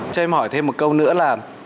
cho em hỏi thêm một câu nữa là